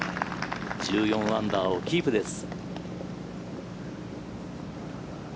１４アンダーをキープです。